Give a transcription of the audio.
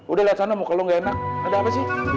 udah liat sana muka lo gak enak ada apa sih